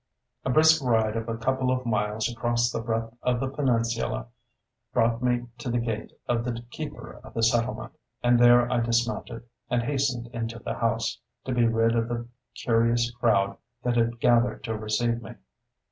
A brisk ride of a couple of miles across the breadth of the peninsula brought me to the gate of the keeper of the settlement, and there I dismounted, and hastened into the house, to be rid of the curious crowd that had gathered to receive me.